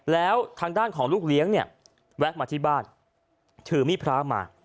แล้วทางด้านของลูกเลี้ยงเนี่ยแวะมาที่บ้านถือมีดพระมา